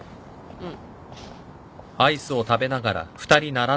うん。